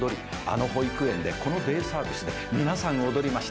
あの保育園でこのデイサービスで皆さん踊りました。